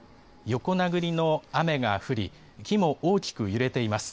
横殴りの雨が降り、木も大きく揺れています。